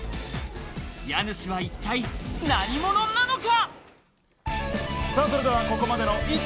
家主は一体何者なのか？